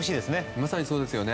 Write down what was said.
まさにそうですね。